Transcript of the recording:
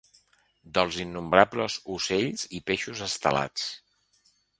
Dels innombrables ocells i peixos estelats.